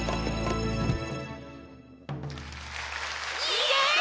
イエイ！